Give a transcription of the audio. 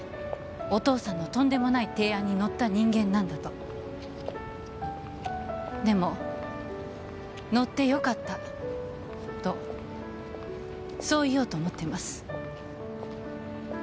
「お父さんのとんでもない提案に乗った人間なんだ」と「でも乗ってよかった」とそう言おうと思ってます